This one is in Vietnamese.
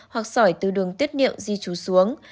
hoặc sỏi từ đường tiết niệm di trú xuống